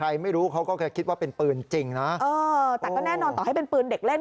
หลักห้าก็แน่นอนต่อให้เป็นปืนเด็กเล่น